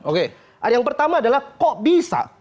oke yang pertama adalah kok bisa